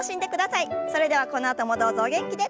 それではこのあともどうぞお元気で。